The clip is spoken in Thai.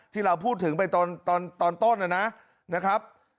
ที่เราพูดถึงไปตอนต้นนะครับ